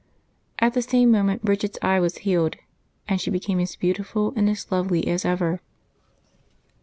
At the same moment Bridgid's eye was healed, and she became as beautiful and as lovely as ever.